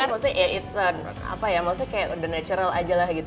maksudnya ya it's a apa ya maksudnya kayak udah natural aja lah gitu